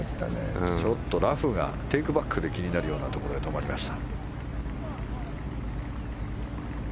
ちょっとラフがテイクバックが気になるところで止まりました。